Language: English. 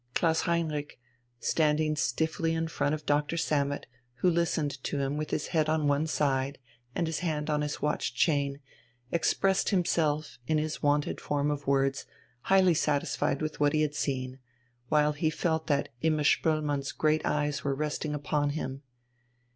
Klaus Heinrich, standing stiffly in front of Doctor Sammet, who listened to him with his head on one side and his hand on his watch chain, expressed himself, in his wonted form of words, highly satisfied with what he had seen, while he felt that Imma Spoelmann's great eyes were resting upon him.